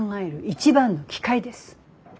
一番の機会です。